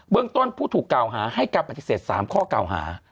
เรื่องต้นผู้ถูกกล่าวหาให้การปฏิเสธ๓ข้อเก่าหา